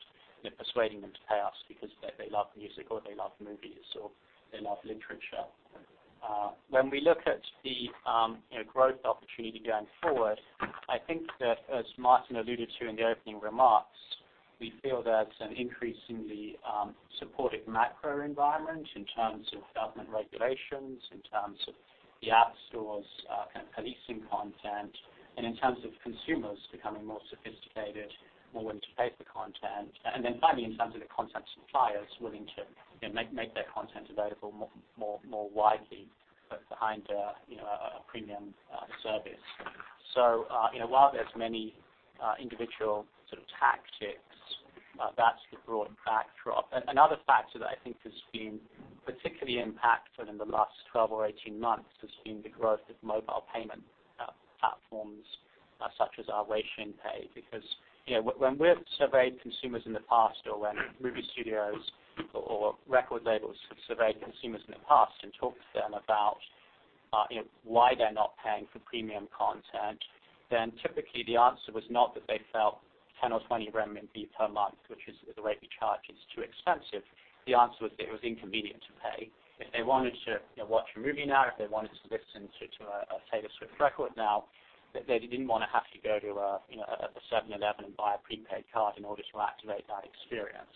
persuading them to pay us because they love music or they love movies or they love literature. When we look at the growth opportunity going forward, I think that as Martin alluded to in the opening remarks, we feel there is an increase in the supportive macro environment in terms of government regulations, in terms of the app stores kind of policing content, and in terms of consumers becoming more sophisticated, more willing to pay for content. Then finally, in terms of the content suppliers willing to make their content available more widely behind a premium service. While there is many individual sort of tactics, that is the broad backdrop. Another factor that I think has been particularly impactful in the last 12 or 18 months has been the growth of mobile payment platforms such as our Weixin Pay. When we have surveyed consumers in the past or when movie studios or record labels have surveyed consumers in the past and talked to them about why they're not paying for premium content, typically the answer was not that they felt 10 or 20 renminbi per month, which is the rate we charge, is too expensive. The answer was it was inconvenient to pay. If they wanted to watch a movie now, if they wanted to listen to a Taylor Swift record now, they didn't want to have to go to a 7-Eleven and buy a prepaid card in order to activate that experience.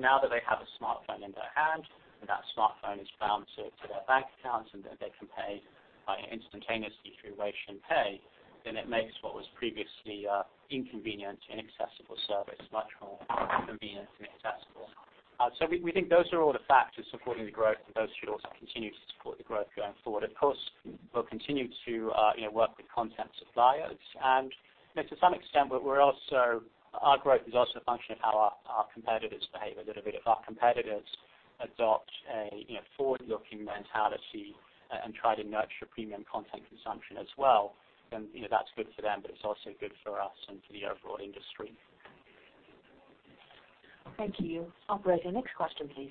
Now that they have a smartphone in their hand, and that smartphone is bound to their bank accounts, and they can pay instantaneously through Weixin Pay, it makes what was previously inconvenient, inaccessible service much more convenient and accessible. We think those are all the factors supporting the growth, those should also continue to support the growth going forward. Of course, we'll continue to work with content suppliers, to some extent, our growth is also a function of how our competitors behave a little bit. If our competitors adopt a forward-looking mentality and try to nurture premium content consumption as well, that's good for them, it's also good for us and for the overall industry. Thank you. Operator, next question, please.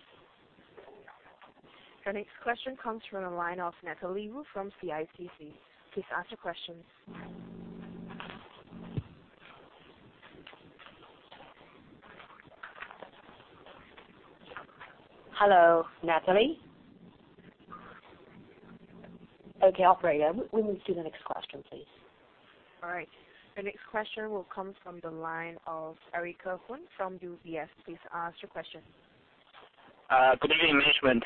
Your next question comes from the line of Natalie Wu from CICC. Please ask your question. Hello, Natalie? Operator, we move to the next question, please. The next question will come from the line of Erica Poon from UBS. Please ask your question. Good evening, management.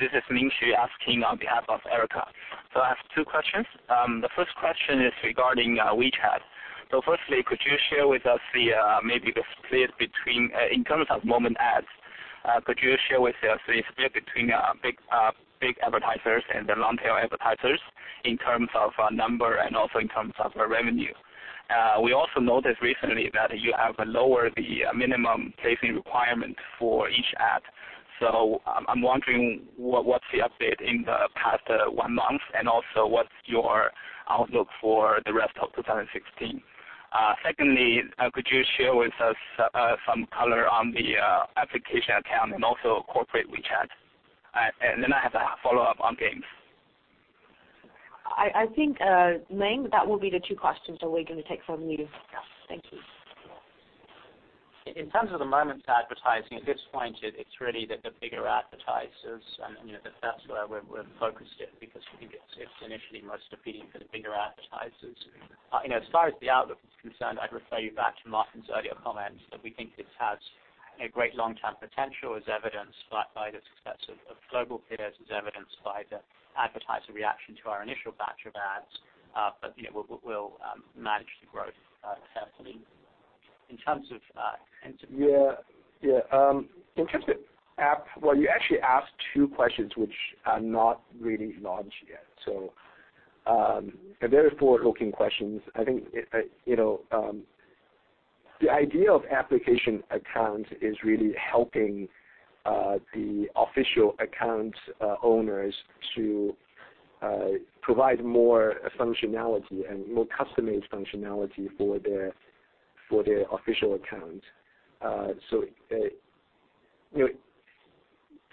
This is Ming Xu asking on behalf of Erica. I have two questions. The first question is regarding WeChat. Firstly, could you share with us maybe the split between, in terms of Moments ads Could you share with us the split between big advertisers and the long-tail advertisers in terms of number and also in terms of revenue? We also noticed recently that you have lowered the minimum placing requirement for each ad. I'm wondering what's the update in the past one month and also what's your outlook for the rest of 2016. Secondly, could you share with us some color on the application account and also corporate WeChat? I have a follow-up on games. I think, Ming, that will be the two questions that we're going to take from you. Yeah. Thank you. In terms of the Moments advertising, at this point, it's really the bigger advertisers, and that's where we're focused in because we think it's initially most appealing for the bigger advertisers. As far as the outlook is concerned, I'd refer you back to Martin's earlier comments, that we think this has a great long-term potential, as evidenced by the success of global peers, as evidenced by the advertiser reaction to our initial batch of ads. We'll manage the growth carefully. Yeah. In terms of app, well, you actually asked two questions which are not really launched yet. They're forward-looking questions. I think, the idea of application accounts is really helping the official account owners to provide more functionality and more customized functionality for their official account.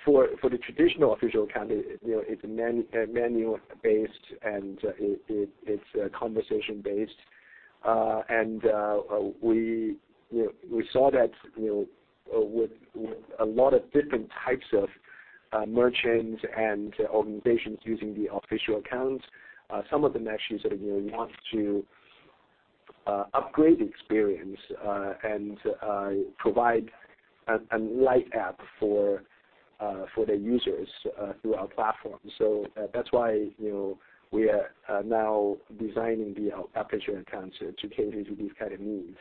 For the traditional official account, it's menu-based and it's conversation-based. We saw that with a lot of different types of merchants and organizations using the official accounts, some of them actually want to upgrade the experience and provide a lite app for their users through our platform. That's why we are now designing the application accounts to cater to these kind of needs.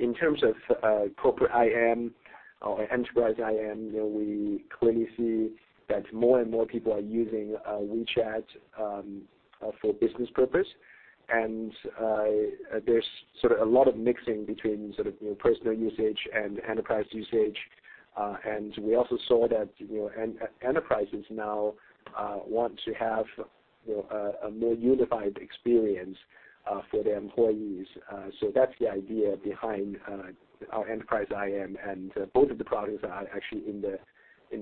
In terms of corporate IM or enterprise IM, we clearly see that more and more people are using WeChat for business purpose, and there's sort of a lot of mixing between personal usage and enterprise usage. We also saw that enterprises now want to have a more unified experience for their employees. That's the idea behind our enterprise IM, and both of the products are actually in the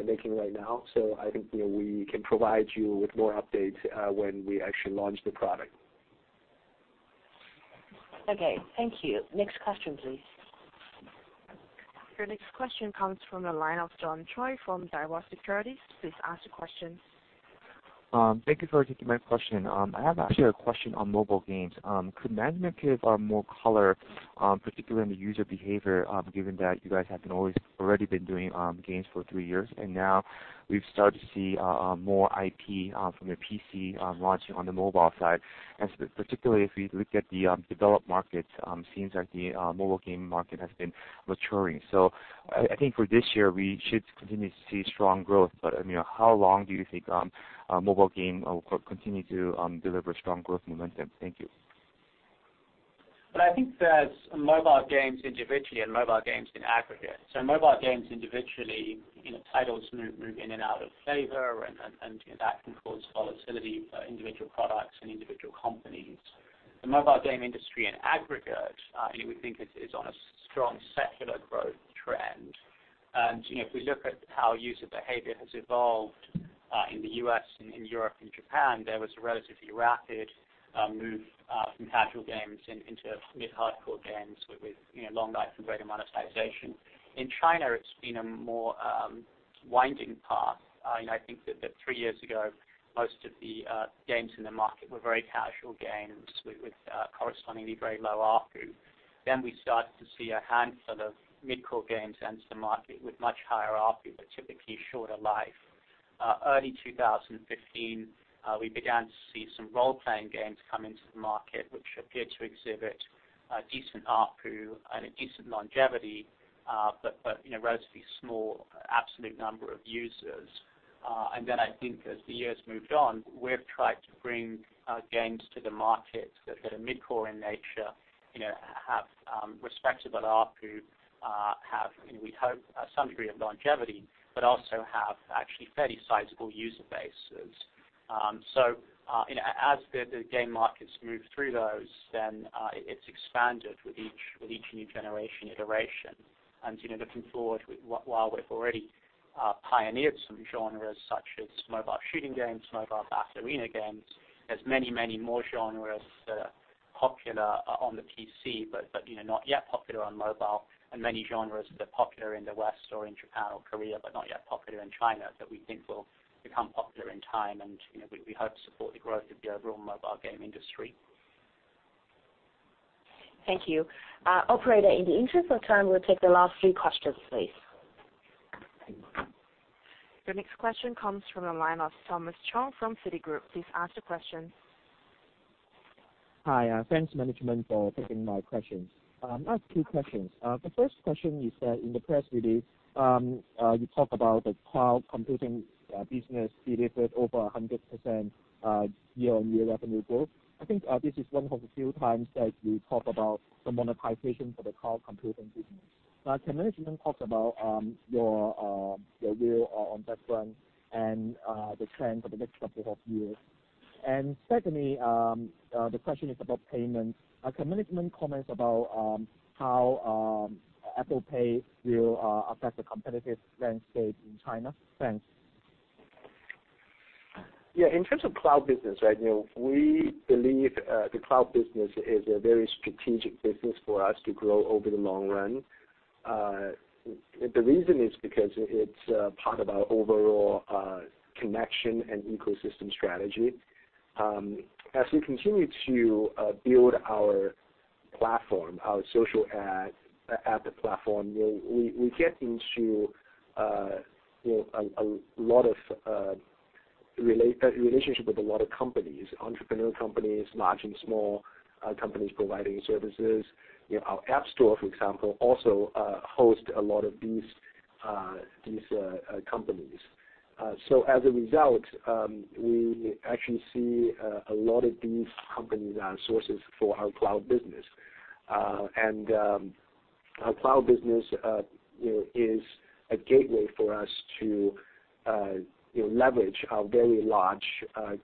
making right now. I think we can provide you with more updates when we actually launch the product. Okay. Thank you. Next question, please. Your next question comes from the line of John Choi from Daiwa Securities. Please ask your question. Thank you for taking my question. I have actually a question on mobile games. Could management give more color, particularly on the user behavior, given that you guys have already been doing games for three years and now we've started to see more IP from your PC launching on the mobile side. Particularly if we look at the developed markets, it seems like the mobile game market has been maturing. I think for this year, we should continue to see strong growth. How long do you think mobile game will continue to deliver strong growth momentum? Thank you. Well, I think there's mobile games individually and mobile games in aggregate. Mobile games individually, titles move in and out of favor and that can cause volatility for individual products and individual companies. The mobile game industry in aggregate, we think it is on a strong secular growth trend. If we look at how user behavior has evolved in the U.S. and in Europe and Japan, there was a relatively rapid move from casual games into mid-hardcore games with longer life and greater monetization. In China, it's been a more winding path. I think that three years ago, most of the games in the market were very casual games with correspondingly very low ARPU. Then we started to see a handful of mid-core games enter the market with much higher ARPU, but typically shorter life. Early 2015, we began to see some role-playing games come into the market, which appeared to exhibit a decent ARPU and a decent longevity, but relatively small absolute number of users. Then I think as the years moved on, we've tried to bring games to the market that are mid-core in nature, have respectable ARPU, have, we hope, some degree of longevity, but also have actually fairly sizable user bases. As the game markets move through those, then it's expanded with each new generation iteration. Looking forward, while we've already pioneered some genres such as mobile shooting games, mobile battle arena games, there's many, many more genres that are popular on the PC, but not yet popular on mobile, and many genres that are popular in the West or in Japan or Korea, but not yet popular in China, that we think will become popular in time. We hope to support the growth of the overall mobile game industry. Thank you. Operator, in the interest of time, we'll take the last three questions, please. Your next question comes from the line of Thomas Chong from Citigroup. Please ask your question. Hi. Thanks management for taking my questions. I have two questions. The first question is that in the press release, you talk about the cloud computing business delivered over 100% year-over-year revenue growth. I think this is one of the few times that you talk about the monetization for the cloud computing business. Can management talk about your view on that front and the trend for the next couple of years? Secondly, the question is about payments. Can management comment about how Apple Pay will affect the competitive landscape in China? Thanks. In terms of cloud business, we believe the cloud business is a very strategic business for us to grow over the long run. The reason is because it's part of our overall connection and ecosystem strategy. As we continue to build our platform, our social ad platform, we get into a relationship with a lot of companies, entrepreneurial companies, large and small companies providing services. Our App Store, for example, also hosts a lot of these companies. As a result, we actually see a lot of these companies as sources for our cloud business. Our cloud business is a gateway for us to leverage our very large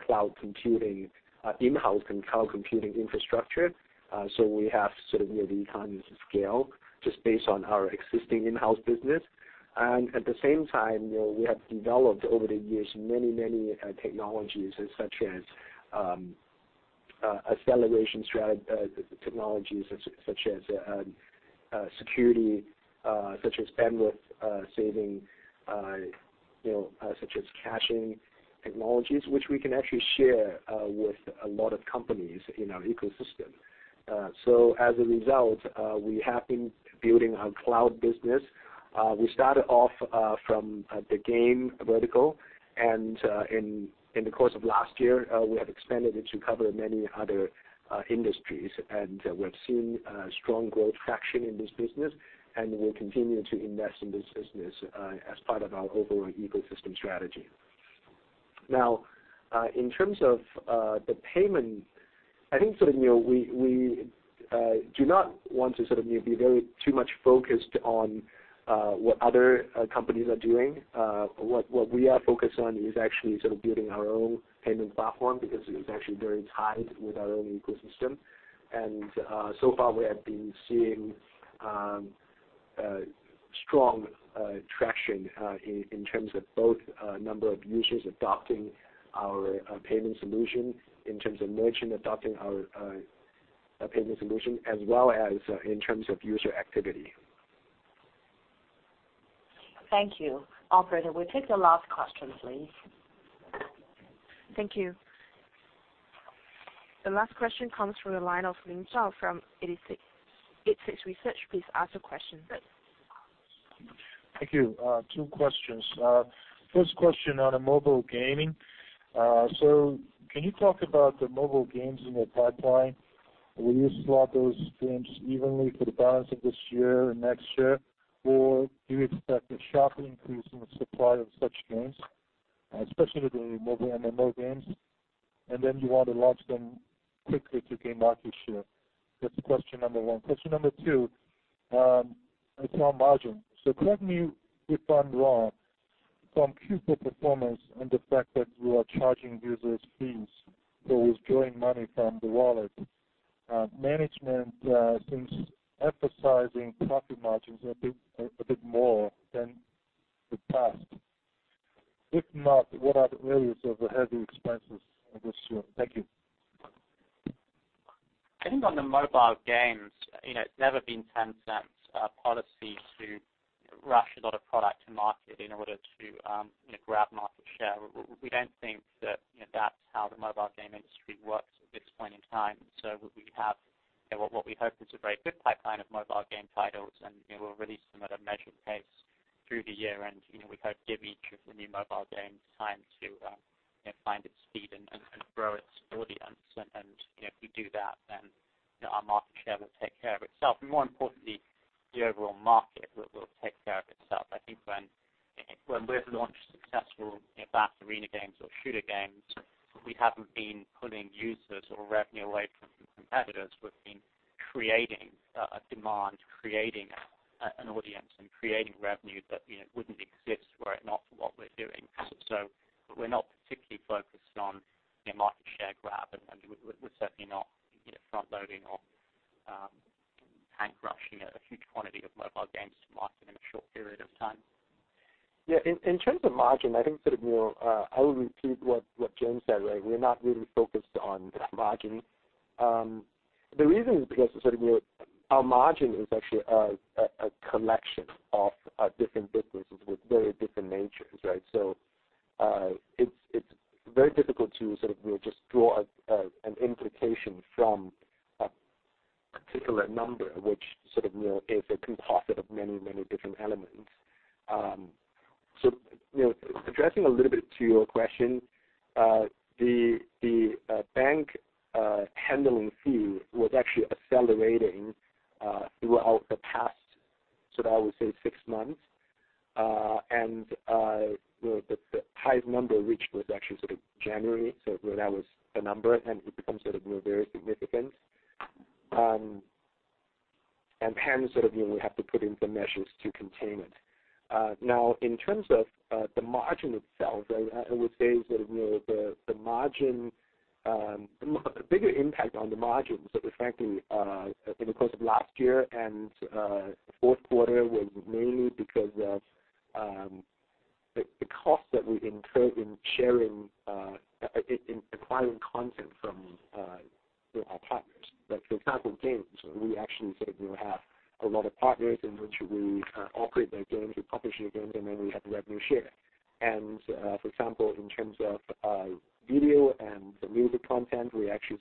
cloud computing, in-house and cloud computing infrastructure. We have economies of scale just based on our existing in-house business. At the same time, we have developed over the years many technologies such as acceleration technologies, such as security, such as bandwidth saving, such as caching technologies, which we can actually share with a lot of companies in our ecosystem. As a result, we have been building our cloud business. We started off from the game vertical, and in the course of last year, we have expanded it to cover many other industries. We have seen strong growth traction in this business, and we'll continue to invest in this business as part of our overall ecosystem strategy. Now, in terms of the payment, I think we do not want to be very too much focused on what other companies are doing. What we are focused on is actually building our own payment platform because it is actually very tied with our own ecosystem. So far, we have been seeing strong traction in terms of both number of users adopting our payment solution, in terms of merchant adopting our payment solution, as well as in terms of user activity. Thank you. Operator, we take the last question, please. Thank you. The last question comes from the line of Ming Zhao from 86Research. Please ask your question. Thank you. Two questions. First question on mobile gaming. Can you talk about the mobile games in your pipeline? Will you slot those games evenly for the balance of this year and next year? Do you expect a sharp increase in the supply of such games, especially the mobile MMO games, and then you want to launch them quickly to gain market share? That's question number 1. Question number 2 is on margin. Correct me if I'm wrong, from Q4 performance and the fact that you are charging users fees for withdrawing money from the wallet, management seems emphasizing profit margins a bit more than the past. If not, what are the areas of heavy expenses in this year? Thank you. I think on the mobile games, it's never been Tencent's policy to rush a lot of product to market in order to grab market share. We don't think that's how the mobile game industry works at this point in time. We have what we hope is a very good pipeline of mobile game titles, and we'll release them at a measured pace through the year. We hope give each of the new mobile games time to find its feet and grow its audience. If we do that, then our market share will take care of itself. More importantly, the overall market will take care of itself. I think when we've launched successful battle arena games or shooter games, we haven't been pulling users or revenue away from competitors. We've been creating a demand, creating an audience, and creating revenue that wouldn't exist were it not for what we're doing. We're not particularly focused on market share grab, and we're certainly not front-loading or tank rushing a huge quantity of mobile games to market in a short period of time. Yeah. In terms of margin, I think I will repeat what James said. We're not really focused on margin. The reason is because our margin is actually a collection of different businesses with very different natures, right? It's very difficult to just draw an implication from a particular number, which is a composite of many, many different elements. Addressing a little bit to your question, the bank handling fee was actually accelerating throughout the past, I would say six months. The highest number reached was actually January. That was a number, and it becomes very significant. Tencent will have to put in some measures to contain it. Now, in terms of the margin itself, I would say the bigger impact on the margin frankly, in the course of last year and fourth quarter was mainly because of the cost that we incur in acquiring content from our partners. For example, games. We actually have a lot of partners in which we operate their games, we publish their games, and then we have revenue share. For example, in terms of video and music content, we actually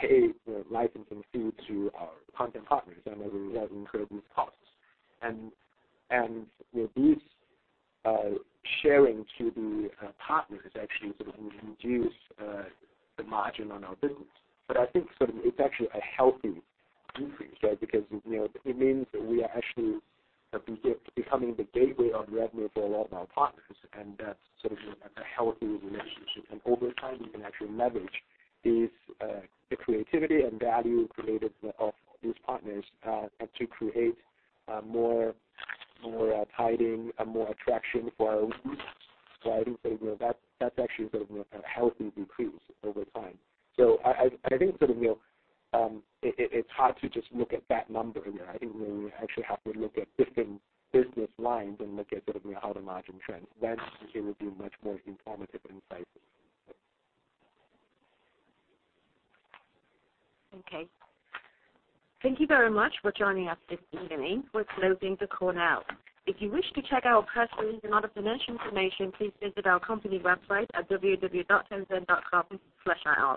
pay licensing fees to our content partners, and that will incur these costs. These sharing to the partners has actually reduced the margin on our business. I think it's actually a healthy increase, right? Because it means that we are actually becoming the gateway of revenue for a lot of our partners, and that's a healthy relationship. Over time, we can actually leverage the creativity and value created of these partners to create more tying and more attraction for our users. I do think that's actually a healthy increase over time. I think it's hard to just look at that number. I think we actually have to look at different business lines and look at how the margin trends. I think it would be much more informative insight. Okay. Thank you very much for joining us this evening. We're closing the call now. If you wish to check our press release and other financial information, please visit our company website at www.tencent.com/ir.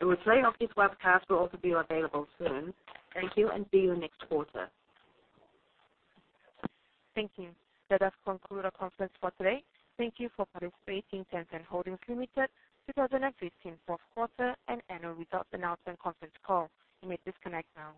A replay of this webcast will also be available soon. Thank you, and see you next quarter. Thank you. That does conclude our conference for today. Thank you for participating in Tencent Holdings Limited 2015 fourth quarter and annual results announcement conference call. You may disconnect now.